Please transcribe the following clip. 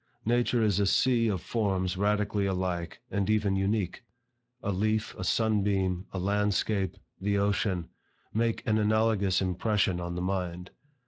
Nature is a sea of forms radically alike and even unique. A leaf, a sun beam, a landscape, the ocean, make an analogous impression on the mind.